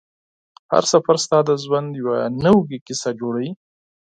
هر سفر ستا د ژوند یوه نوې کیسه جوړوي